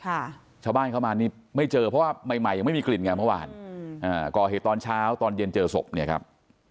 ชาวบ้านเข้ามานี่ไม่เจอเพราะว่าใหม่ใหม่ยังไม่มีกลิ่นไงเมื่อวานอืมอ่าก่อเหตุตอนเช้าตอนเย็นเจอศพเนี่ยครับ